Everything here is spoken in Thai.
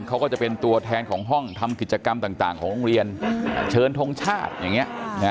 เขาก็จะเป็นตัวแทนของห้องทำกิจกรรมต่างของโรงเรียนเชิญทงชาติอย่างนี้